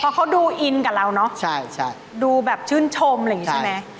เพราะเขาดูอินกับเราเนอะดูแบบชื่นชมอะไรอย่างนี้ใช่ไหม